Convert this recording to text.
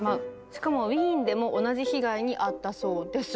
しかもウィーンでも同じ被害に遭ったそうです。